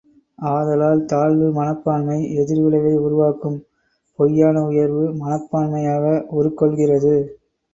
ஆதலால் தாழ்வு மனப்பான்மை எதிர் விளைவை உருவாக்கும் பொய்யான உயர்வு மனப்பான்மையாக உருக் கொள்கிறது.